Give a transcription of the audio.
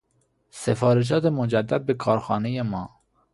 سفارشات مجدد به کارخانهی ما